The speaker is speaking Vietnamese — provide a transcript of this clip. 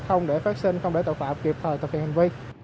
không để phát sinh không để tội phạm kịp thời thực hiện hành vi